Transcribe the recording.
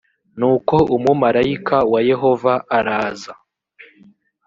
nuko umumarayika wa yehova araza